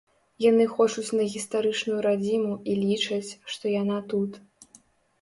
Яны хочуць на гістарычную радзіму і лічаць, што яна тут.